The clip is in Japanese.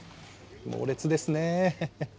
猛烈ですねえ。